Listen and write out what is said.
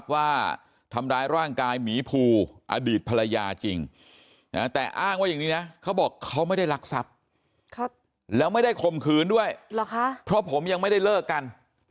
ว่าทำร้ายร่างกายหมีภูอดีตภรรยาจริงแต่อ้างว่าอย่างนี้นะเขาบอกเขาไม่ได้รักทรัพย์แล้วไม่ได้ข่มขืนด้วยเหรอคะเพราะผมยังไม่ได้เลิกกัน